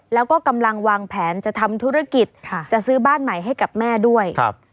แล้วก็กำลังวางแผนจะทำธุรกิจจะซื้อบ้านใหม่ให้กับแม่ด้วยครับ